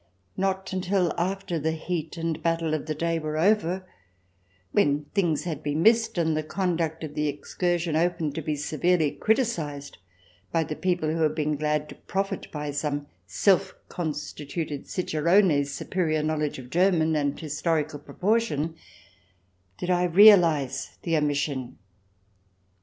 Not until after the heat and the battle of the day were over, when things had been missed, and the conduct of the excursion open to be severely criticized by the people who had been glad to profit by some self constituted cicerone's superior knowledge of German and historical proportion, did I realize the omission.